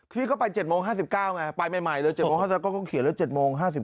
พี่ก็ไป๗โมง๕๙ไงไปใหม่เลย๗โมง๕๓ก็เขียนแล้ว๗โมง๕๓